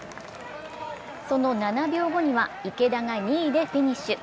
その７秒後には池田が２位でフィニッシュ。